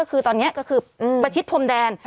คือตอนนี้ก็คือประชิดพรมแดน